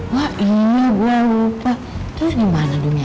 wah ini gue lupa terus gimana dunia